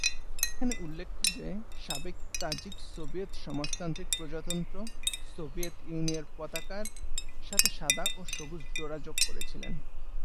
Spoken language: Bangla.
এখানে উল্লেখ্য যে, সাবেক তাজিক সোভিয়েত সমাজতান্ত্রিক প্রজাতন্ত্র, সোভিয়েত ইউনিয়নের পতাকার সাথে সাদা ও সবুজ ডোরা যোগ করেছিল।